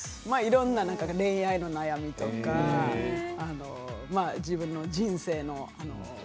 まあいろんな、恋愛の悩みとか自分の人生の。